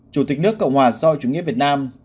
chủ tịch nước cộng hòa sau chủ nghĩa việt nam